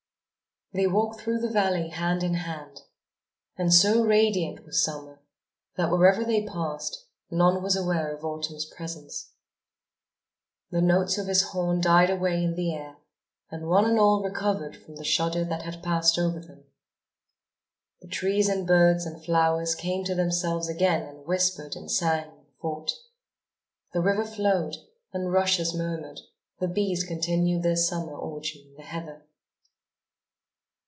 They walked through the valley hand in hand. And so radiant was Summer that, wherever they passed, none was aware of Autumn's presence. The notes of his horn died away in the air; and one and all recovered from the shudder that had passed over them. The trees and birds and flowers came to themselves again and whispered and sang and fought. The river flowed, the rushes murmured, the bees continued their summer orgy in the heather.